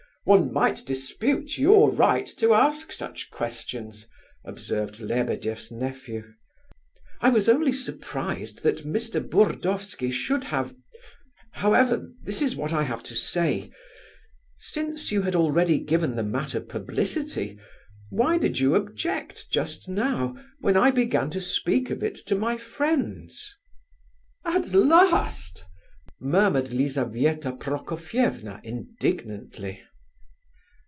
"One might dispute your right to ask such questions," observed Lebedeff's nephew. "I was only surprised that Mr. Burdovsky should have—however, this is what I have to say. Since you had already given the matter publicity, why did you object just now, when I began to speak of it to my friends?" "At last!" murmured Lizabetha Prokofievna indignantly.